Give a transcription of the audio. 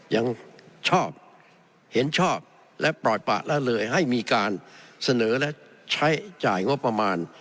ยังชอบเห็นชอบและปล่อยปะละเลยให้มีการเสนอและใช้จ่ายงบประมาณ